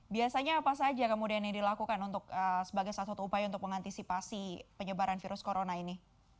biasanya apa saja kemudian yang dilakukan sebagai salah satu upaya untuk mengantisipasi penyebaran virus corona ini